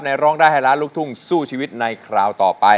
ร้องได้ให้ล้านลูกทุ่งสู้ชีวิตในคราวต่อไป